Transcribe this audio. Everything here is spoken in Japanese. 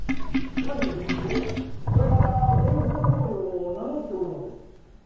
甲斐の源氏でこれまた源氏の棟梁を名乗っておるのです。